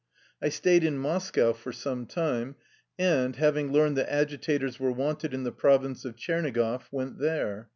I stayed in Moscow for some time, and, having learned that agitators were wanted in the province of Tchernigoff, went there.